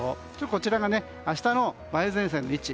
こちらが明日の梅雨前線の位置。